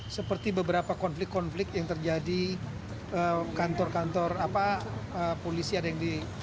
seperti beberapa konflik konflik yang terjadi kantor kantor polisi ada yang di